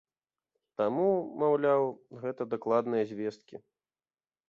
Таму, маўляў, гэта дакладныя звесткі.